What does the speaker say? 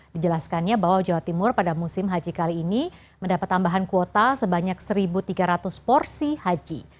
dijelaskannya bahwa jawa timur pada musim haji kali ini mendapat tambahan kuota sebanyak satu tiga ratus porsi haji